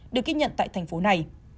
được ghi nhận tại thành phố này